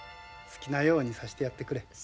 好きなようにさしてやってくれ。